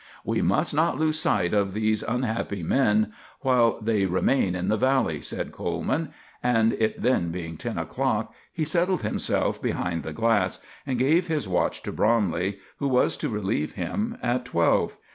"We must not lose sight of these unhappy men while they remain in the valley," said Coleman; and, it then being ten o'clock, he settled himself behind the glass, and gave his watch to Bromley, who was to relieve him at twelve.